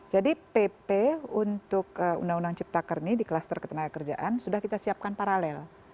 jadi pp untuk undang undang cipta kerja ini di kluster ketenagakerjaan sudah kita siapkan paralel